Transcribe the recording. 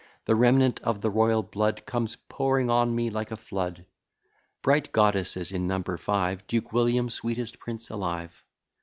The remnant of the royal blood Comes pouring on me like a flood. Bright goddesses, in number five; Duke William, sweetest prince alive.